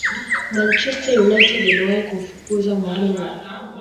manchester united iliwahi kumfukuza mourinho